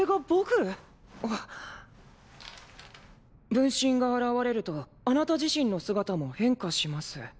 「分身が現れるとあなた自身の姿も変化します」。